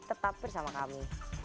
tetap bersama kami